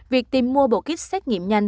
việc tìm mua bộ kit xét nghiệm nhanh